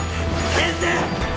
先生。